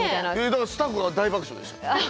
だからスタッフは大爆笑でした。